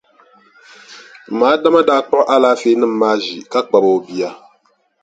M ma Adama daa kpuɣi alaafeenima maa ʒi ka kpabi o bia.